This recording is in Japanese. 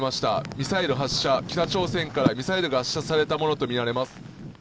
ミサイル発射北朝鮮からミサイルが発射されたものとみられます。